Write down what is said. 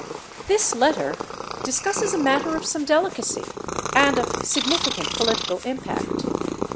620 This letter discusses a matter of some delicacy and of significant political impact.